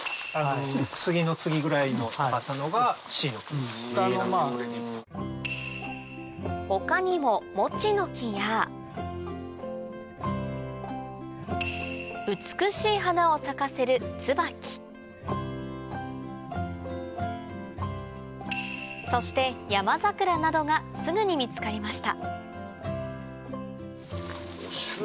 ・スギの次ぐらいの高さのがシイの木・他にも美しい花を咲かせるそしてヤマザクラなどがすぐに見つかりました